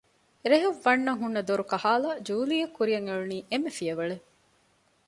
ރެހަށް ވަންނަން ހުންނަ ދޮރުކަހާލައި ޖޫލީއަށް ކުރިއަށް އެޅުނީ އެންމެ ފިޔަވަޅެއް